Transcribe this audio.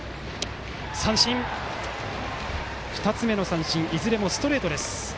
２つ目の三振いずれもストレートです。